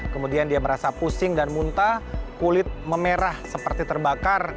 kemudian dia merasa pusing dan muntah kulit memerah seperti terbakar